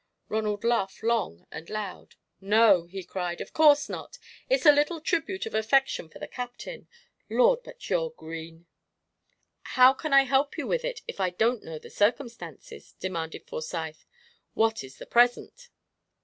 Ronald laughed long and loud. "No," he cried; "of course not! It's a little tribute of affection for the Captain! Lord, but you're green!" "How can I help you with it if I don't know the circumstances?" demanded Forsyth. "What is the present?"